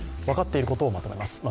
分かっていることをまとめます。